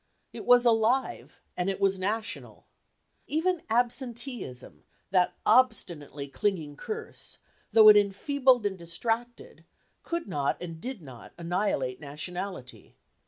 It was alive, and it was national. Even absenteeism, that obstinately clinging curse, though it enfeebled and distracted, could not, and did not, annihilate nationality.